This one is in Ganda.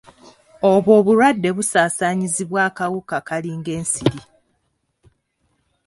Obwo obulwadde busaasaanyizibwa akawuka kalinga nsiri.